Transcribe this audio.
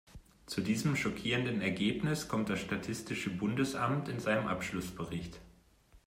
Zu diesem schockierenden Ergebnis kommt das statistische Bundesamt in seinem Abschlussbericht.